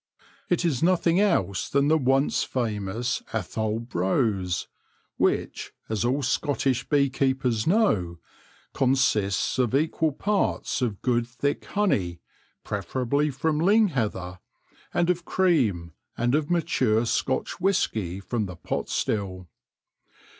It is nothing else than the once famous Athole Brose, which, as all Scottish bee keepers know, consists of equal parts of good thick honey, preferably from ling heather, and of cream, and of mature Scotch whisky from the pot still.